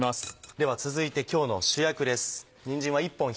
では続いて今日の主役です。